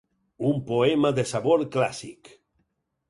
Un poema de sabor clàssic.